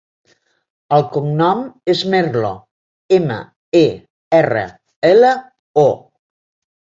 El cognom és Merlo: ema, e, erra, ela, o.